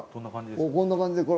こんな感じですか？